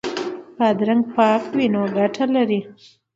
بادرنګ پاک وي نو ګټه لري.